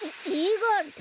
ガールだ。